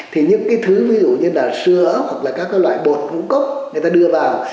thì những thứ ví dụ như là sữa hoặc là các loại bột cũng có người ta đưa vào